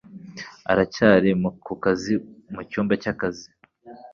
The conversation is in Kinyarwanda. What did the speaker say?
Aracyari ku kazi mu cyumba cy'akazi.